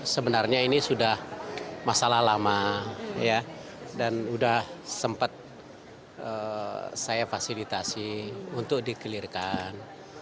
sebenarnya ini sudah masalah lama dan sudah sempat saya fasilitasi untuk dikelirkan